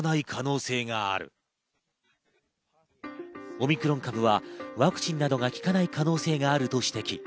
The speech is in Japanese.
オミクロン株はワクチンなどが効かない可能性があると指摘。